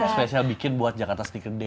spesial bikin buat jakarta sneaker day